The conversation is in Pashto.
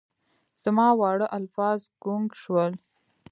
زما واړه الفاظ ګونګ شول